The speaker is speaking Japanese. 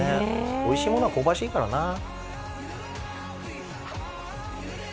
おいしいものは香ばしいからなあ